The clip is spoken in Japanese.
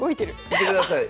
見てください。